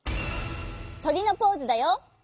とりのポーズだよ。